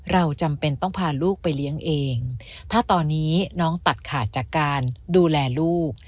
จำเป็นต้องพาลูกไปเลี้ยงเองถ้าตอนนี้น้องตัดขาดจากการดูแลลูก